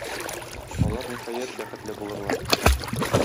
Алар, ниһаять, бәхетле булырлар